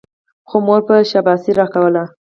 خو مور به شاباسي راکوله.